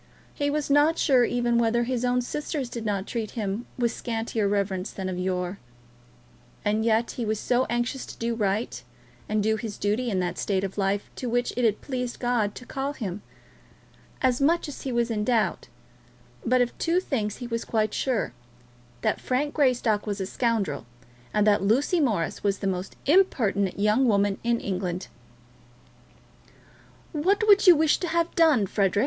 He was not sure even whether his own sisters did not treat him with scantier reverence than of yore. And yet he was so anxious to do right, and do his duty in that state of life to which it had pleased God to call him! As to much he was in doubt; but of two things he was quite sure, that Frank Greystock was a scoundrel, and that Lucy Morris was the most impertinent young woman in England. "What would you wish to have done, Frederic?"